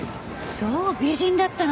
そう美人だったの？